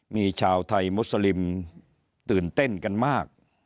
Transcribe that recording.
มีชาวไทยมุสลิมตื่นเต้นกันมาก